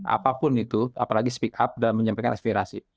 apapun itu apalagi speak up dan menyampaikan aspirasi